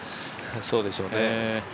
そうでしょうね。